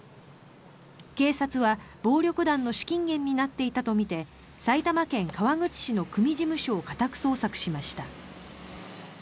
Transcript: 警察は暴力団の資金源になっていたとみて埼玉県川口市の組事務所を家宅捜索しました。